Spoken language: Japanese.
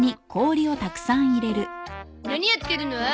何やってるの？